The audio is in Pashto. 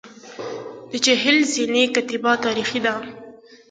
د چهل زینې کتیبه تاریخي ده